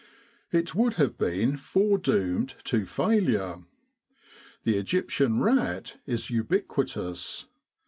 It would have been foredoomed to failure. The Egyptian rat is ubiquitous.